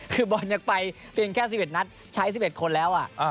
คือบอลยังไปเพียงแค่๑๑นัดใช้๑๑คนแล้ว